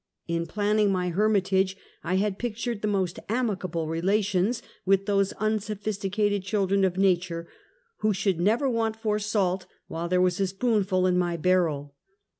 In planning my hermitage, I had pictured the most amicable relations with those unsophisticated children of nature, who should never want for salt while there was a spoonful in my barrel.